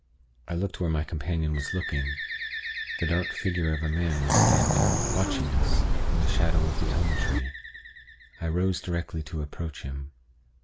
I looked where my companion was looking. The dark figure of a man was standing, watching us, in the shadow of the elm tree. I rose directly to approach him.